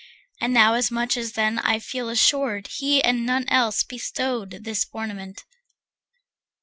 And now as much as then I feel assured He and none else bestowed this ornament.